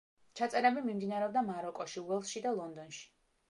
ჩაწერები მიმდინარეობდა მაროკოში, უელსში და ლონდონში.